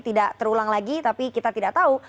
tidak terulang lagi tapi kita tidak tahu